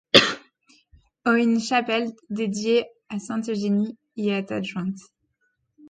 Au une chapelle, dédiée à Sainte-Eugénie, y est adjointe.